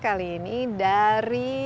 kali ini dari